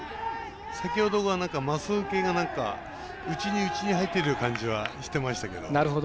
先ほどは、まっすぐ系が内に内に入ってる感じはしてましたけど。